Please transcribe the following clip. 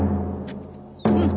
うん。